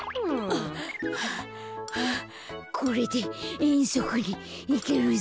はあはあこれでえんそくにいけるぞ。